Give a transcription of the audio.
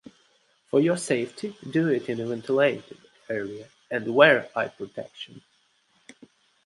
For your safety, do it in a ventilated area and wear eye protection.